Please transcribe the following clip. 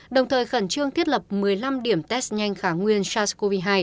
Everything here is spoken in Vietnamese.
đồng thời khẩn trương thiết lập một mươi năm điểm test nhanh khả nguyên sars cov hai